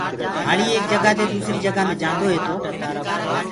هآݪي ايڪ جگآ دي دوسري جگآ مي جآندوئي تو